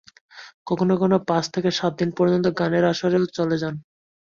কখনো কখনো পাঁচ থেকে সাত দিন পর্যন্ত গানের আসরেও চলে যান।